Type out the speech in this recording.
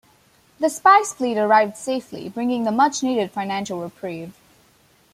The Spice Fleet arrived safely, bringing the much needed financial reprieve.